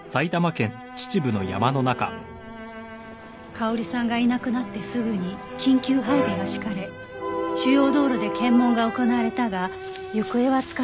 香織さんがいなくなってすぐに緊急配備が敷かれ主要道路で検問が行われたが行方はつかめなかった